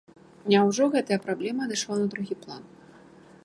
Няўжо гэтая праблема адышла на другі план?